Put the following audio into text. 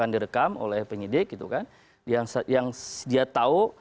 dan dia tahu